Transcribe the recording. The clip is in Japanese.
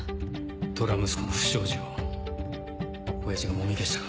ドラ息子の不祥事を親父がもみ消したか。